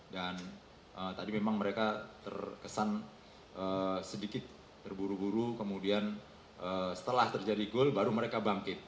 dan tadi memang mereka terkesan sedikit terburu buru kemudian setelah terjadi goal baru mereka bangkit